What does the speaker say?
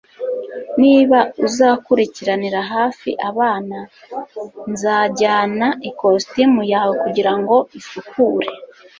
niba uzakurikiranira hafi abana, nzajyana ikositimu yawe kugirango isukure